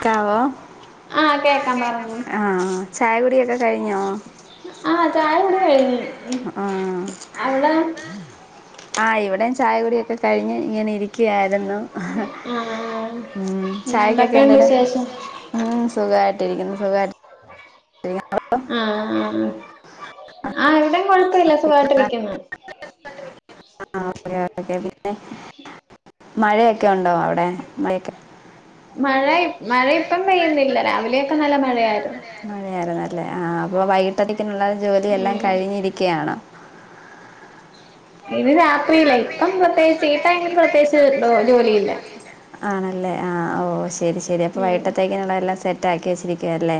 ക്കാവോ ആ കേക്കാം പർഞ്ഞോ ആ ചായ കുട് ആഹ് ചായ ഇവിടെ കഴിഞ്ഞി ആ അവിടെ ആ ഇവിടേം ചായ കുടി ഒക്കെ കഴിഞ്ഞ് ഇങ്ങനെ ഇരി ക്കയായിരുന്നു, ആഹ് മ് പിന്നെ ചായക്കൊക്കെ എന്തൊക്കെയുണ്ട് എന്താലും വിശേഷം മ് സുഖായി [unintelligible] ആ ആ എവിടെ കൊഴപ്പില്ല സുഖായിട്ട് ഇരിക്കുന്നു. ആ ഓക്കെ ഓക്കെ പിന്നെ മഴയൊക്കെ ഉണ്ടോ അവിടെ, മഴയൊക്കെ മഴയി മഴ ഇപ്പം പെയ്യുന്നില്ല, രാവിലെയൊക്കെ നല്ല മഴയായിരുന്നു. വ വൈകിട്ടത്തേ ക്ക്നുള്ള ജോലിയെല്ലാം ഉം കഴിഞ്ഞിരിക്കയാണ്. ഇത് രാ ഫ്രീലെയ് ഇപ്പം പ്രത്യേകിച്ച് ഈ ടൈമിൽ പ്രത്യേകിച്ച് ഡോ ജോലിയില്ല. അല്ലെ ആ ഓ ശ് ശരി ശരി അപ്പ ഉം വൈട്ടത്തേക്ക് ള്ളതല്ലാം സെറ്റ് ആക്കി വെച്ചിരിക്കുവല്ലേ,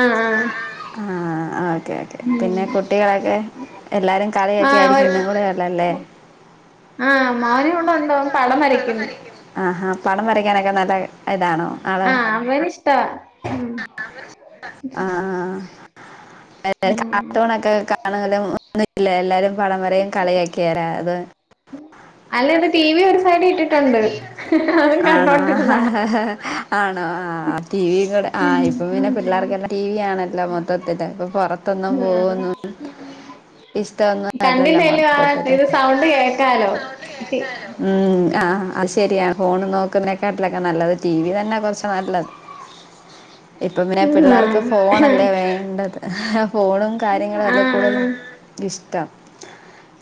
ആഹ് ആഹ് ആ ഓക്കെ ഓക്കെ പിന്നെ ഉം കുട്ടികളൊക്കെ എല്ലാരും കളിയൊക്കെ ആഹ് ഒരു ആയിരിക്കുമെന്ന് ഞങ്ങള് [unintelligible] ലെ ആഹ് മോനിവിടെ ഉണ്ട് അവൻ പടം വരയ്ക്കുന്ന് എതാണോ ആഹ് അവന് ഇഷ് ആ ഉം കാർട്ടൂനൊക്കെ കാണലും എല്ലാരും പടം വരയും കളിയൊക്കെയാ രാ അതെ അല്ലെത് ടി വി വെച്ച് ആണോ ആഹ് കണ്ടോണ്ടിരുന്നാ ആഹ് ആ ആണോ ആ ടിവിയും കൂടെ ആ ഇപ്പ പിന്നെ പിള്ളേർക്കെല്ലാം ടിവി ആണല്ലോ മൊത്തത്തില് ഇപ്പൊ പൊറത്തൊന്നും പോകുന്നൊന്നും കണ്ടിട്ടല്ലിയോ ആ ഇത് സൗണ്ട് കേ ഇത് സൗണ്ട് കേൾക്കാലോ ഉം ആ അത് ശരിയ ഫോണും നോ ന്നെക്കട്ടിലൊക്കെ ഒക്കെ നല്ലത് ടി വി തന്നെയാ കുറച്ച് നല്ലത് ഇപ്പൊ പിന്നെ പിള്ളേർക്ക് ആഹ് ഫോണല്ലേ വേണ്ടത് ഫോണും കാര്യങ്ങളും ഒക്കെ ആഹ് കൂടുതലും ഇഷ്ടാ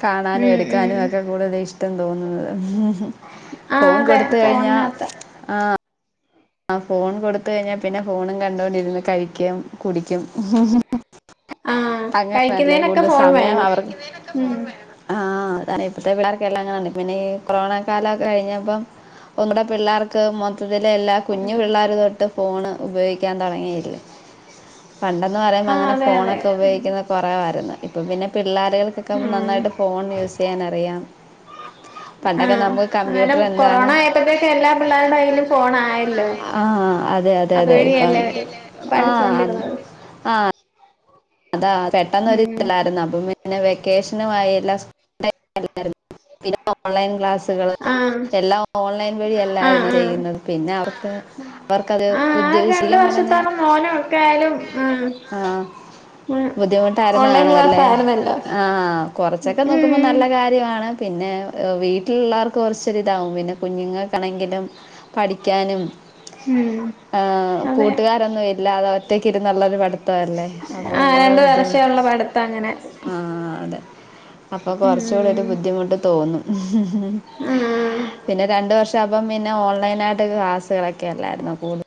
കാണാനും ഉം ഉം എടുക്കാനും ഒക്കെ കൂടുതല് ഇഷ് തോന്നുന്നത് ആഹ് ഫോൺ അതെ കൊടുത്ത് കഴിഞ്ഞാ ഫോണിനകത്ത ആ ആ ഫോൺ കൊടുത്ത് കഴിഞ്ഞാ പിന്നെ ഫോണും കണ്ടോണ്ടിരുന്ന് കഴിക്കും കുടിക്കും ആഹ് അങ്ങനല്ലേ കഴിക്കുന്നതിനൊക്കെ കൂടുതൽ ഫോൺ സമയം വേണം അവർക്ക് കഴിക്കുന്നേന് ഒക്കെ ഉം ഫോൺ വേണം ആ അതാണ് ഇപ്പഴത്തെ പിള്ളേർക്കെല്ലാം ആണ് പിന്നെ ഈ കൊറോണ കാലമൊക്കെ കഴിഞ്ഞപ്പം ഒന്നൂടെ പിള്ളേർക്ക് മൊത്ത എല്ലാം കുഞ്ഞു പിള്ളേരു തൊ ഫോണ് ഉപയോഗിക്കാൻ തുടങ്ങിയില്ലേ പണ്ടെന്ന് പറയുമ്പോൾ ആഹ് അങ്ങനെ അതെ അതെ ഫോണൊക്കെ ഉപയോഗിക്കുന്നത് കുറവായിരുന്ന് ഇപ്പ പിന്നെ പിള്ളാറുകൾക്ക് ഒക്കെ ആഹ് നന്നായിട്ട് ഫോൺ യൂസെയ്യാൻ അറിയാം പണ്ടൊക്കെ ആഹ് നമ്മള് അന്നേരം കൊറോണ ആയപ്പത്തേക്ക് എല്ലാ പിള്ളേരുടെ കൈയിലും ഫോൺ ആയ ആ അതെ അതെ അതെ അവര് ആ പഠിച്ചോണ്ടിരുന്നത് ആ അതാ പെട്ടെന്നൊര് ഉം ഇത്‌ലായിര്ന്നു അപ്പൊ പിന്നെ വെ ക്കേഷനും ആയി എല്ലാ സ്കൂൾ [unintelligible] പിന്നെ ഓൺലൈൻ ക്ലാസ് ത്ത്കൾ ആഹ് എല്ലാം ഓൺലൈൻ വഴി ആഹ് അല്ലായിരുന്നോ ആഹ് ചെയ്യുന്നത് പിന്നെ അവർക്ക് അവർക്ക് അത് ആഹ് ആ [unintelligible] രണ്ട് ശെരിക്കും പറഞ്ഞ് കഴിഞ്ഞാ ആ രണ്ടു വർഷത്തോളം മോനും വർഷത്തോളം മോനും ആയാലും ഒക്കെ ആഹ് ആയാലും ആഹ് ആ ബുദ്ധിമുട്ടായിരുന്നു ഓൺലൈൻ ക്ലാസ് കാണുവല്ലെ ആയിരുന്നല്ലോ ആ കൊറച്ചൊക്കെ നോക്കുമ്പോ ഉം നല്ല കാര്യവാണ് പിന്നെ ഹ് വീട്ടിലുള്ളവർക്ക് കൊറച്ച് ഒര് ഇതാവും പിന്നെ കുഞ്ഞുങ്ങൾക്കാണെങ്കിലും പഠിക്കാനും ഉം ആ അതെ കൂട്ടുകാരൊന്നും ഇല്ലാതെ ഒറ്റയ്ക്ക് ഇരുന്നൊള്ള ഒരു പഠിത്തം അല്ലെ ആഹ് ഒന്നൂടെ രണ്ട് ബുദ്ധിമുട്ട് വർഷമുള്ള ആ രണ്ട് വർഷവുള്ള പഠിത്തം അങ്ങനെ ആ അതെ അപ്പ കൊറച്ചൂടെ ഒര് ഉം ബുദ്ധിമുട്ട് തോന്നും ആഹ് പിന്നെ രണ്ട് വ പക്ഷെ അവം പിന്നെ ഓൺലൈൻ ആയിട്ട് ക്ലാസ്സുകളൊക്കെ അല്ലായിര്ന്നോ കൂട്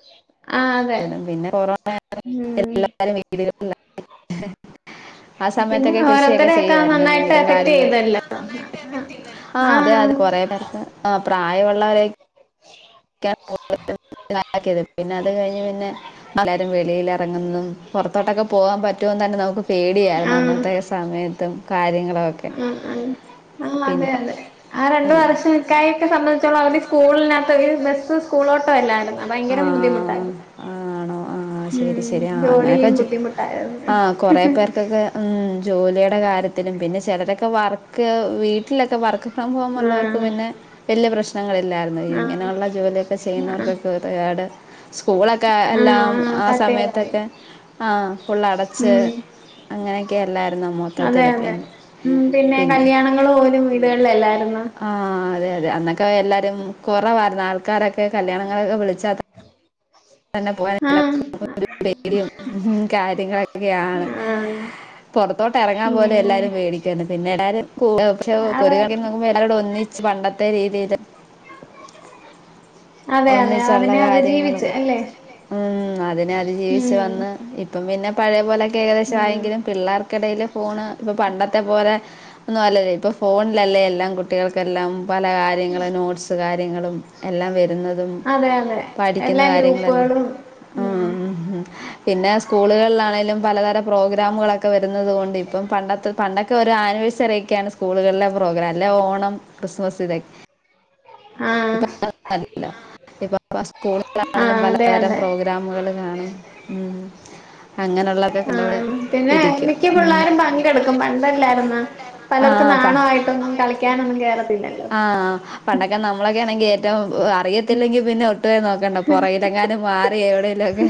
ആഹ് അതെ [unintelligible] പിന്നെ കൊറോണ കാരണം ഉം എല്ലാരും [unintelligible] [unintelligible] ആ പിന്നെ സമയത്തൊക്കെ കൃഷി എക്കെ ഓരോരുത്തരെയൊക്കെ ചെയ്യ്തായിരുന്നു നന്നായിട്ട് എന്തെങ്കിലും എഫക്ട് കാര്യങ്ങൾ കൊറോണ ഒക്കെ ചെയ്തല്ലോ നന്നായിട്ട് എഫക്റ്റ് ചെയ്തിലെ ആ അതെ ആഹ് അതെ കൊറെ കാര്യത്തെ പ്രായൊള്ളവരൊ [inaudible] പിന്നെ അത് കഴിഞ്ഞു പിന്നെ എല്ലാരും വെളിയിൽ ഇറങ്ങുന്നും പൊറത്തോട്ടൊക്കെ പോവാൻ പറ്റോന്ന് തന്നെ നമ്മുക്ക് പേടിയായിരുന്നു ആഹ് അന്നത്തെ സമയ ത്തും കാര്യങ്ങളൊക്കെ ആ അതെ അതെ ആ രണ്ട് വർഷൊക്കായിട്ട് അവരുടെ സ്‌കൂളിനകത്തൊക്കെ ബസ് സ്കൂളോട്ടോ [unintelligible] ആ ആണോ ആ ഉം ശരി ശരി ആ അങ്ങനെയൊക്കെ ജോലിയും വെച്ച് ബുദ്ധിമുട്ടായിരുന്നു ആ കൊറെ പേർക്കൊക്കെ ഉം ജോലി ടെ കാര്യത്തിലും പിന്നെ ചിലരൊക്കെ വർക്ക് വീട്ടിലൊക്കെ വർക്ക് ഫ്രം ഹോം ഉള്ളവർക്ക് ആഹ് പിന്നെ വലിയ പ്രശ്നങ്ങളില്ലാർന്നു ആഹ് ഇങ്ങനെയൊള്ള ജോലിയൊക്കെ ചെയ്യുന്നവർക് ആഹ് ഒരുപാട് സ്കൂളൊക്കെ എല്ലാം ആഹ് ആ സമയത്തൊക്കെ തട്ടേതായിരുന്നു ആ ഫുൾ അടച്ച് ഉം അങ്ങനെ ക്കെയല്ലാ അതെ അതെ ഉം പിന്നെ കല്യാണങ്ങൾ പോലും വീടുകളിലല്ലാർന്നോ ക്ക് എല്ലാരും കുറവാർന്ന് ആൾക്കാരൊക്കെ കല്യാണം വിളിച്ച ത തന്നെ പോവാൻ ആഹ് എല്ലാർക്കും ഒരു പേടിയും കാര്യങ്ങളൊക്കെയാണ് ആഹ് പൊറത്തോട്ട് എറങ്ങാൻ പോലും ഉം എല്ലാരും പേടിക്കുവാർന്നു പിന്നെ എല്ലാരും [unintelligible] അതെ കൊറെ [unintelligible] എല്ലാരും ഒന്നിച്ച് പണ്ടത്തെ രീതിയില് അതെ അതെ അതിനെ അതിജീവിച്ച് അല്ലേ ആ അതെ. പിന്നെ അതിജീവിച്ച് ഉം വന്ന് ഇപ്പം പിന്നെ പഴയ പോലെ ഉം ഏകദേശായെങ്കിലും പിള്ളേർ ക്കിടയിൽ ഫോണ് ഇപ്പൊ പണ്ടത്തെ പോലെ ഒന്നു അല്ലല്ലേ ഇപ്പൊ ഫോണിലല്ലേ എല്ലാം കുട്ടികൾ എല്ലാം പല കാര്യങ്ങള് നോട്ട്സ് കാര്യങ്ങളും എല്ലാം വെ തും അതെ അതെ പഠിക്കുന്ന എല്ലാ കാര്യങ്ങളെല്ലാം ഗ്രൂപ്പുകളും ഉം മ്മ് പിന്നെ സ്കൂള്കളിലാണെങ്കിലും പലതരം പ്രോഗ്രാമുകളൊക്കെ വരുന്നത്ണ്ട് ഇപ്പം പണ്ടത്തെ പണ്ടൊക്കെ ഒരു ആനിവേഴ്സറി ക്കെയാണ് സ്കൂളുകളിലെ പ്രോഗ്രാം അല്ലെ ഓണം ക്രിസ്മസ് ഇതൊ ആഹ് [inaudible] ഇപ്പ സ്കൂളുകളാണെിലും ആഹ് അതെ പലതരം അതെ പ്രോഗ്രാമുകള് കാണും ഉം അങ്ങനെയുള്ളതൊക്കെ കണ്ടോണ്ട് ആഹ് പിന്നെ ഇരിക്കും മിക്ക ഉം പിള്ളാരും പങ്കെടുക്കും പണ്ടല്ലായിരുന്നാ ആ പലർക്കും പ നാണമായിട്ടൊന്നും കളിക്കാനൊന്നും കേറത്തില്ലല്ലോ. ആ പണ്ടൊക്കെ നമ്മളൊക്കെ ആണെങ്കിൽ ഏറ്റവും അറിയത്തില്ലെങ്കി പിന്നെ ഒട്ടുമേ നോക്കണ്ട പുറകിലെങ്ങാനും മാറി എവിടെങ്കലും ഒക്കെ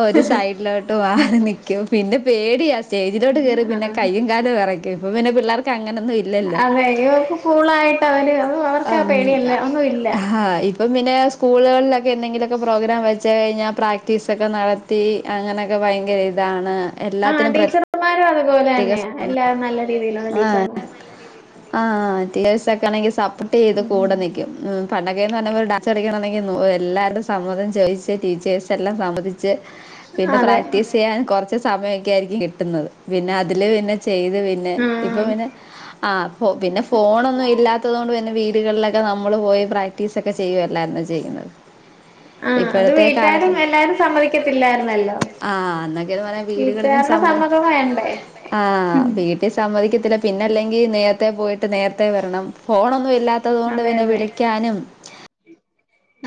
ഒ സൈഡിലോട്ട് വാ നിക്കും പിന്നെ പേടിയ സ്റ്റേജിലോട്ട് കേറി പിന്നെ ആഹ് കയ്യും കാലും വിറ ഇപ്പ പിന്നെ പിള്ളേർക്ക അതെ ഇവർക്ക് കൂളായിട്ട് അവര് അവർ ക്കാ ഉം പേണിയെല്ല ഒന്നു ഇല്ല ആഹ് ഇപ്പം പിന്നെ സ്കൂളുകൾലൊക് എന്തെങ്കിലക്കെ പ്രോഗ്രാം വ ച്ച് കഴിഞ്ഞാ പ്രാക്ടീസൊക്കെ നടത്തി അങ്ങനെയൊക്കെ ഭയങ്കര ഇതാണ് ആ എല്ലാത്തിനും ടീച്ചർമാരാണ് തുപോല അഎന്നെ പ്രത്യേക എല്ലാം നല്ല രീതിയിലാണ് ആഹ് ടീച്ചർ ആഹ് [unintelligible] ഹ പുട്ടിയ്ത് കൂടെ നിക്കും ഉം പണ്ടൊക്കേന്ന് പർഞ്ഞ ഒരു ഡാൻസ് [unintelligible] ഇന്നു ഉ എല്ലാരുടെ സമ്മതം ചോയ്ച്ച് ടീച്ചേഴ്സ് എല്ലാം സമ്മതി ച്ച് പിന്നെ അതെ പ്രാക്ടീസ് ചെയ്യാൻ കൊർച്ച് സമയൊക്കെ ആയിരിക്കും കിട്ടുന്നത് പിന്നെ അതില് പിന്നെ ചെയ്ത് പിന്നെ ഇപ്പൊ ആഹ് പിന്നെ ആ ഫോ പിന്നെ ഫോണൊന്നും ഇല്ലാത്തത് കൊണ്ട് പിന്നെ വീടുകളിലൊക്കെ നമ് മ്മള് പോയി പ്രാക്ടീസ് ഒക്കെ ചെയ്യുആ ആ അത് ഇപ്പോഴത്തെ കാലത്ത് വീട്ടാരും എല്ലാരും സമ്മതിക്കത്തില്ലായിര്ന്നല്ലോ ആഹ് വീട്ടുആര്ടെ സമ്മതമ ആ വീട്ടില് സമ്മതിക്കത്തില്ല പിന്നെ അല്ലെങ്കി നേർ ത്തേ പോയിട്ട് നേരത്തെ വരണം ഫോണൊന്നും ഇല്ലാത്തത് കൊണ്ട് അതെ പിന്നെ അതെ വിളിക്കാനും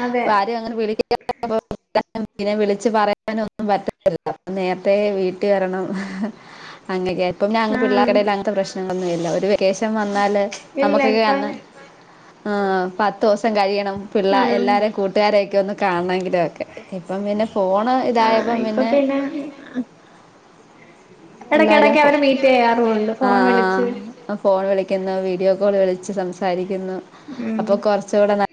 അതെ അപ്പ ആരെയും അങ്ങനെ വിളി [unintelligible] പിന്നെ വിളിച്ച് പറയാനൊന്നും പറ്റത്തില്ല. അ നേരത്തെ വീട്ടി വരണം ഹ് [unintelligible] ആഹ് പിള്ളേർക്കെടേല് അങ്ങനത്തെ പ്രശ്ന ഒന്നുവില്ല ഒരുവെ വെക്കേഷൻ വന്നാല് ഇല്ല നമുക്കൊക്കെ ഇപ്പം അന്ന് ആഹ് പത്തൊസ സം കഴിയണം പിള്ളെ ആഹ് എല്ലാരും കൂട്ടുകാരൊക്കെ ഒന്ന് കാണെങ്കിലുക്കെ ഇപ്പം പിന്നെ ഫോണ് ആഹ് ഇതായപ്പോ ഇപ്പൊ പിന്നെ എല്ലാരും ഇടയ്ക്കിടയ്ക്ക് അവര് മീറ്റ് ചെയ്യാറുമുണ്ട് ആ ഫോൺ വിളിച്ച് ആ ഫോൺ വിളി കുന്നു വീഡിയോ കോൾ വിളിച്ച് സംസാരി കുന്നു ഉം അപ്പൊ കുറച്ചൂടെ ന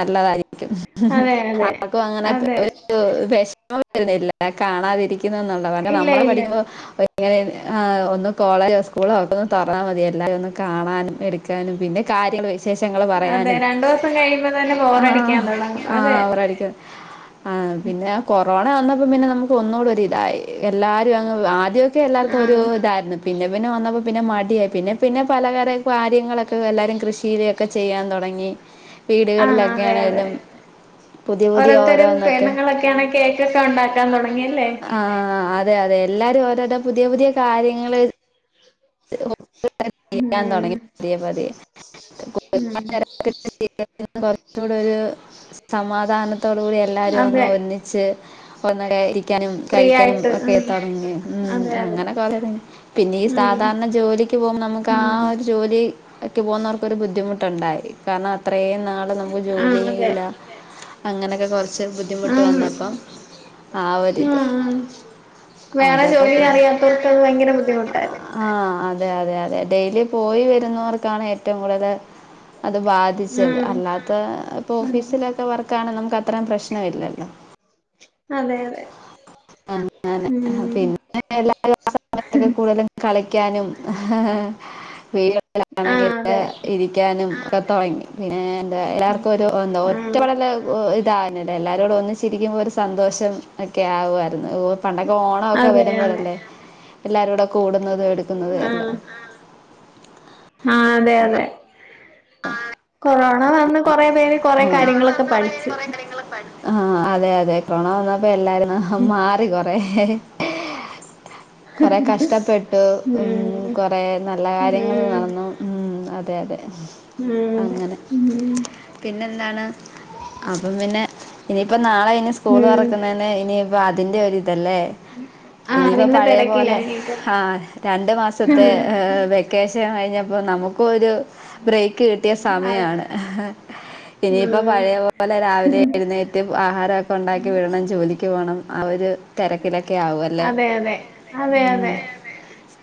നല്ലതായി രിക്കും അതെ അതെ ആർക്കും അങ്ങനെ അതെ ഒരു [unintelligible] മം വരുന്നില്ല കാണാതിരിക്ക ണംന്നുണ്ടോ പണ്ട് ഇല്ല നമ്മള് ഇല്ല പഠിക്കുമ്പോ ഇങ്ങനെ ആ ഒന്ന് കോളജോ സ്കൂളോ ഒക്കെ ഒന്ന് തൊറന്നാമതി എല്ലാരയും ഒന്നു കാണാനും എടുക്കാനും പിന്നെ കാര്യങ്ങ അതെ രണ്ട് ദിവസം കഴിമ്പോ തന്നെ ആഹ് ബോറടിക്കാൻ തൊടങ്ങും അതെ ആ പിന്നെ ആ കൊറോണ വന്ന പിന്നെ നമുക്ക് ഒന്നൂടെ ഒരു ഇതായി എല്ലാരും അങ്ങ് ഇതൊക്കെ എല്ലാർക്കും ഒരു ആഹ് ഇതായിരുന്നു പിന്നെ പിന്നെ വന്നപ്പോ പിന്നെ മടിയായി പിന്നെ പിന്നെ പല കര കാര്യങ്ങളൊക്കെ എല്ലാരും കൃഷിയിലേക്കെ ചെയ്യാൻ തുടങ്ങി ആഹ് വീടുകളിലൊക്കെ അതെ അതെ ആണേലും പുതിയ പുതിയ ഓരോരുത്തരും ഓരോന്നൊക്കെ പെണ്ണുങ്ങളൊക്കെയാണെ കേക്കൊക്കെ ഉണ്ടാക്കാൻ തുടങ്ങി യല്ലേ ആഹ് അതെ അതെ എല്ലാരും ഓരോരോ പുതിയ പുതിയ കാര്യങ്ങള് [unintelligible] ഉം തുടങ്ങി പതിയെ പതിയെ [unintelligible] ഉം [unintelligible] കുറച്ചൂടെ ഒരു സമാധാന ത്തോട് കൂടി എല്ലാരും അതെ ഒന്നും ഒന്നിച്ച് ഒന്നായിരി ക്കാനും ഫ്രീ കഴിക്കാനും ആയിട്ട് ഒക്കെ ഉം തുടങ്ങി ഉം അതെ അതെ അങ്ങനെ പിന്നെ ഈ ഉം സാധാരണ ജോലി ക്കും നമുക്ക് ആ ഉം ഒരു ജോലി ഇ ക്ക് പോകുന്നവർക്ക് ഒരു ബുദ്ധിമുട്ടുണ്ടായി കാരണം അത്രേയും നാൾ നമുക്ക് ആഹ് അതെ ജോലില്ല അങ്ങനൊക്കെ കുറച്ച് ബുദ്ധിമുട്ട് ആഹ് വന്നപ്പ ആ ഒരിത് ആഹ് വേറെ അതൊക്കെ ജോലി പി അറിയാത്തവർക്ക് അത് ഭയങ്കര ബുദ്ധിമുട്ടായിരുന്നു ആ അതെ അതെ അതെ ഡെയിലി പോയി വരുന്നവർക്കാണ് ഏറ്റവും കൂടുതല് അത് ബാധിച്ചത് ഉം അല്ലാത്ത ഇപ്പൊ ഓഫീസിലൊക്കെ വർക്കാണ് നമുക്ക് അ അത്ര പ്രശ്നം ഇല്ലല്ലോ അതെ അതെ അങ്ങനെ ഉം പിന്നെ എല്ലാ [unintelligible] സമയത്ത് കൂടുതലും കളി ക്കാനും [unintelligible] ആഹ് ലാണെങ്കില് അതെ ഇരിക്കാനും ക്ക തൊടങ്ങി പിന്നേ എല്ലാർക്കും ഒരു എന്താ ആഹ് ഒറ്റപ്പടല് [unintelligible] എല്ലാരൂട ഒന്നി ച്ചിരിക്കുമ്പോ ഒരു സന്തോഷം ഒക്കെ ആവുവാ ര്ന്ന്. ഓ പണ്ടൊക്കെ ഓണ ഒക്കെ അതെ അതെ വരുമ്പഴല്ലേ എല്ലാരൂടെ കൂടു ന്നത് എടുക്കുന്നതും എല്ലാം ആ അതെയതെ കൊറോണ വന്ന് കൊറേ പേര് അപ്പ- കൊറെ കാര്യങ്ങളൊക്കെ പഠിച്ച് ആഹ് ആഹ് അതെ അതെ കൊറോണ വന്നപ്പോ എല്ലാരും മാറി കൊറെ കൊറെ കഷ്ട്ടപ്പെട്ടു ഉം കൊറെ നല്ല ഉം കാര്യങ്ങൾ നടന്നു ഉം അതെ അതെ ഉം അതെ അങ്ങനെ ഉം പിന്നെ എന്താണ് അപ്പം പിന്നെ ഇനി ഇപ്പൊ നാളെ ഇനി സ്കൂൾ ഉം തുറക്കുന്നതിന് ഇനിയിപ്പം അത് അതിന്റെ ഒരു തല്ലേ ആഹ് ഇനിപ്പോ അതിന്റെ പഴയ തിരക്കിലാ പോലെ ഇനിയിപ്പം ആ രണ്ട് മാസത്തെ ഏ വെക്കേഷ ച്യാൻ കഴിഞ്ഞപ്പോൾ നമുക്കൊരു [inaudible] കിട്ടിയ അതെ സമയാണ് ഇനിയിപ്പോ ഉം പഴയ പോലെ രാവിലെ എഴുന്നേറ്റ് ആഹാരമൊക്കെ ഉണ്ടാക്കി വിടണം ജോലിക്ക് പോകണം ആ ഒരു തിരക്കില അതെ അതെ അതെ അതെ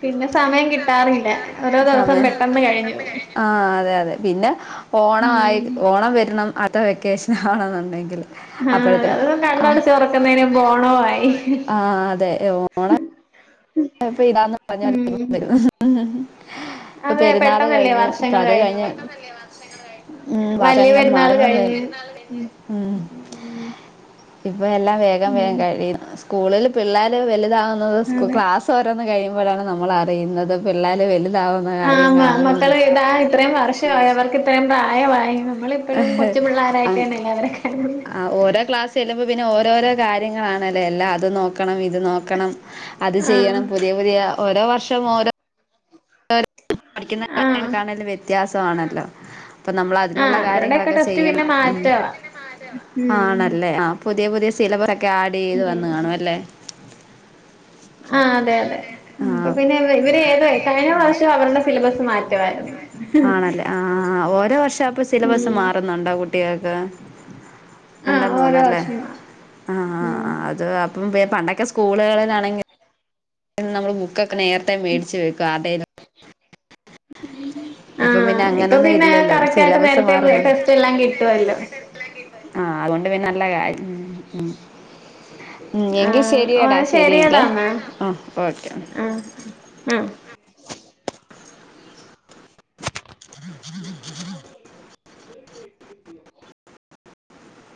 പിന്നെ സമയം കിട്ടാറില്ല ഓരോ ദിവസം പെട്ടെന്ന് കഴിഞ്ഞുപോകും ത് പിന്നെ ഓണമായി ഓണം വരണം അ അടുത്ത വെക്കേഷൻ ആണെന്നു ആഹ് അത് കണ്ണടച്ച് തൊറക്കുന്നതിന് മുമ്പ് ഓണവായി. ഇപ്പ ഇതാന്ന് പറഞ്ഞാല് [unintelligible] അതേ പെട്ടെന്നല്ലേ വർഷങ്ങള് കഴിഞ്ഞ് പോകുന്നത് കഴിഞ്ഞു ഉം വലിയ വർഷങ്ങൾ പെരുന്നാൾ മാസങ്ങളും വേ കഴിഞ്ഞ് ഉം ഉം ഇപ്പെല്ലാം വേഗം വേഗം കഴിയിന്നു സ്കൂളിൽ പിള്ളേ [unintelligible] ഇതാവുന്നത് സ്കു അതെ ക്ലാസ് ഓരോന്ന് കഴിയുമ്പോഴാണ് നമ്മളറിയുന്നത് പിള്ളേര് വലു ആഹ് മ മക്കള് ഇതാ ഇത്രയും വർഷമായി അവർക്ക് ഇത്രയും പ്രാ യവായിന്നും കാണുന്നത് ഓരോ ക്ലാസ്സ് ചെല്ലുമ്പോ പിന്നെ ഓരോരോ കാര്യങ്ങളാണ്ല്ലേ എല്ലാ അത് നോക്ക ക്ണം ഇത് നോക്കണം അത് ആഹ് ചെയ്യണം പുതിയ പുതിയ ഓരോ വർഷ മോരോ പഠിക്കുന്ന ആഹ് കാര്യങ്ങൾക്കാണേലും വ്യത്യാസ മാണല്ലോ അപ്പം നമ്മള് അതിനുള്ള ആഹ് ഇവരുടെയൊക്കെ കാര്യങ്ങളൊക്കെ ടെസ്റ്റ് പിന്നെ ചെയ്യണം ഉം മാറ്റവാ ഉം ആണല്ലേ ആ പുതിയ പുതിയ സിലവറോക്കെ ആഡ് ചെയ്ത് വന്ന് കാണും അല്ലേ? ആ അതെ അതെ ആ അപ്പപിന്നെ ഇവ ഇവര് ഏതാ കഴിഞ്ഞ പ്രാവശ്യ അവരുടെ സിലബസ് മാറ്റവായിരുന്നു ആണല്ലേ ആ പൂട്ടിയാക്ക ആഹ് ഉണ്ടെന്ന് ഓരോ തോന്നല്ലേ വർഷം മാറും ആ ഉം ആ അത് അ മുമ്പേ പണ്ടൊക്കെ സ്കൂളുകളിലാണെങ്കി പിന്നെ നമ്മള് ബുക്കൊക്ക് നേരത്തെ മേടിച്ചു വെക്കും അത ആ ഇപ്പ അങ്ങനൊന്നും പിന്നെ ഇല്ലല്ലോ കറക്റ്റായിട്ട് സിലബസ് നേരത്തെ മാറുന്നു ടെസ്റ്റ് എല്ലാം കിട്ടുവല്ലോ ആ അതുകൊണ്ട് പിന്നെ നല്ല കാര് ഉം ഉം ഉം, ആ എങ്കിൽ ഓ ശരിയടാ ശരിയെങ്കിലേ ശരിയെടന്നാ ആ ഓക്കെ ആ ആ